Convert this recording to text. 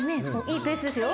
いいペースですよ。